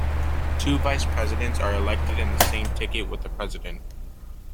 Two Vice Presidents are elected in the same ticket with the President.